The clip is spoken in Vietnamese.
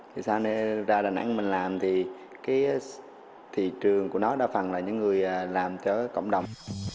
thì sau này ra đà nẵng mình làm thì cái thị trường của nó đa phần là những người làm cho cộng đồng